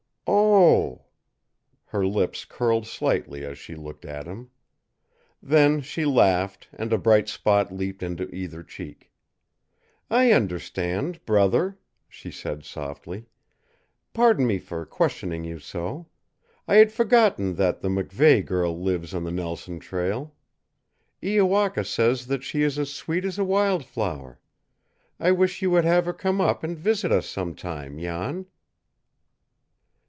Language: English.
"Oh!" Her lips curled slightly as she looked at him. Then she laughed, and a bright spot leaped into either cheek. "I understand, brother," she said softly. "Pardon me for questioning you so. I had forgotten that the MacVeigh girl lives on the Nelson trail. Iowaka says that she is as sweet as a wild flower. I wish you would have her come up and visit us some time, Jan."